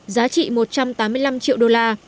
giá trị một trăm tám mươi năm triệu đô la